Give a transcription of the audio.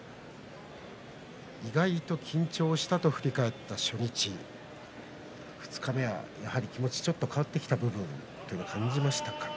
意外と緊張したと振り返った初日、二日目は気持ちがちょっと変わってきた部分というのを感じましたか？